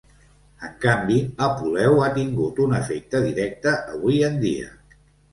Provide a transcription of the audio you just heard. En canvi, Apuleu ha tingut un efecte directe avui en dia.